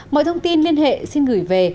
mọi thông tin liên hệ xin gửi về